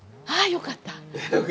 よかった？